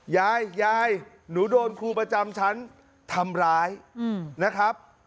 ยายยายหนูโดนครูประจำชั้นทำร้ายนะครับ